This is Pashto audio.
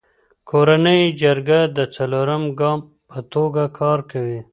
کورنی جرګه د څلورم ګام په توګه کار کوي.